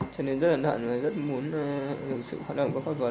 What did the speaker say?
cho nên rất hận hận và rất muốn sự hoạt động của pháp luật